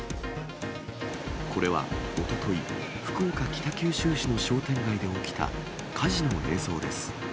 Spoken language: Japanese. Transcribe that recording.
これは、おととい、福岡・北九州市の商店街で起きた火事の映像です。